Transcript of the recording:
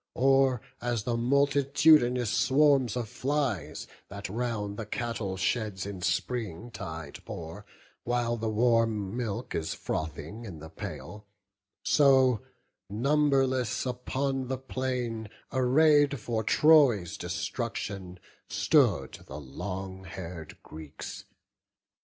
Or as the multitudinous swarms of flies, That round the cattle sheds in spring tide pour, While the warm milk is frothing in the pail: So numberless upon the plain, array'd For Troy's destruction, stood the long hair'd Greeks.